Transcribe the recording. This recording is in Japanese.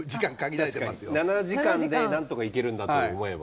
７時間で何とかいけるんだと思えば。